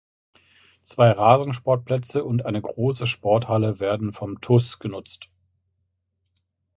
Zwei Rasen-Sportplätze und eine große Sporthalle werden vom TuS genutzt.